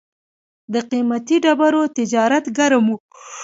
د قیمتي ډبرو تجارت ګرم و